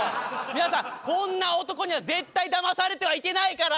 皆さんこんな男には絶対だまされてはいけないからね！